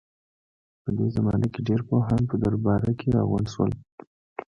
په دې زمانه کې ډېر پوهان په درباره کې راغونډ شول.